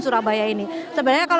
jadi ini sudah berhasil